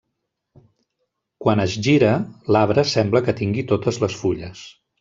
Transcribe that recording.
Quan es gira, l'arbre sembla que tingui totes les fulles.